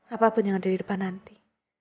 apapun yang ada di depan nanti